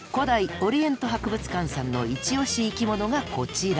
オリエント博物館さんのイチ推し生きものがこちら。